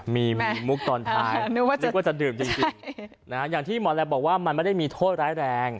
มีมุกตอนท้ายนึกว่าจะดื่มจริงอย่างที่หมอแรมบอกว่ามันไม่ได้มีโทษร้ายแรง